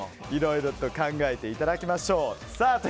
いろいろと考えていただきましょう。